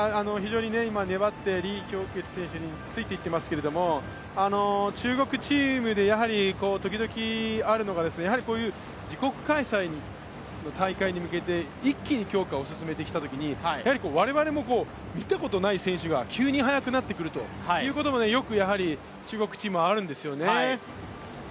今、粘って李氷潔選手についていっていますけど中国チームで時々あるのが、自国開催の大会に向けて一気に強化を進めてきたときに、我々も見たことない選手が急に速くなってくるということも中国選手はあるんですよね。